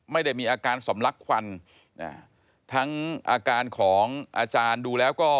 ไม่ได้มีอาการสำลักควันทั้งอาการของอาจารย์ดูแล้วก็